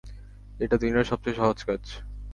এটা দুনিয়ার সবচেয়ে সহজ কাজ।